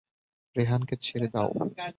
রেহান কে ছেড়ে দাও।